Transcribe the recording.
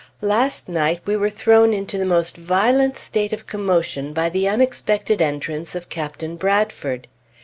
Last night we were thrown into the most violent state of commotion by the unexpected entrance of Captain Bradford.